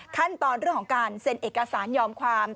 ขั้นตอนเรื่องของการเซ็นเอกสารยอมความ